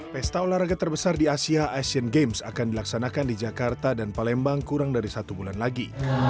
pesta olahraga terbesar di asia asian games akan dilaksanakan di jakarta dan palembang kurang dari satu bulan lagi